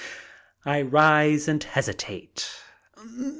I rise and hesitate.